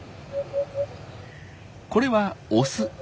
これはオス。